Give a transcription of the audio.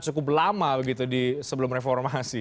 cukup lama begitu sebelum reformasi